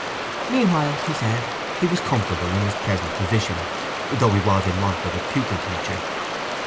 Meanwhile, he said, he was comfortable in his present position, though he was in want of a pupil teacher.